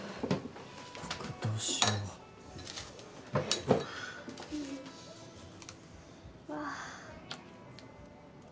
僕どうしよううわあ